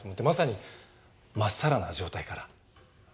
まさにまっさらな状態から。